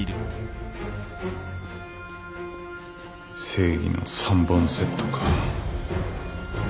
正義の３本セットか。